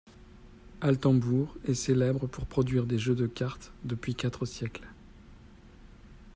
Altenbourg est célèbre pour produire des jeux de cartes depuis quatre siècles.